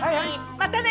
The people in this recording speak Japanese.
またね！